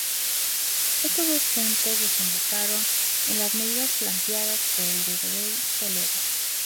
Estos dos puntos desembocaron en las medidas planteadas por el Virrey Toledo.